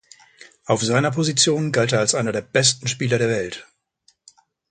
Auf seiner Position galt er als einer der besten Spieler der Welt.